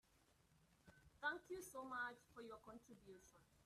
Thank you so much for your contribution.